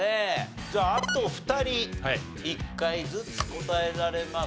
じゃああと２人１回ずつ答えられます。